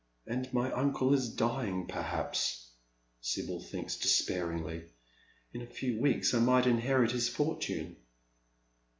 " And nxy uncle is dying, perhaps," Sibyl thinks despairingly. " In a few weeks I might inherit his fortune."